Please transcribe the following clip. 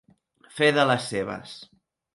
Fer de les seves.